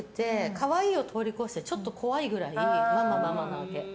可愛いを通り越してちょっと怖いくらいママ、ママなわけ。